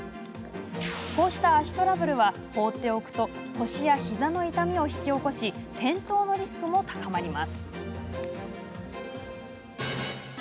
こうした足トラブルは放っておくと腰や膝の痛みを引き起こし転倒のリスクも高まります。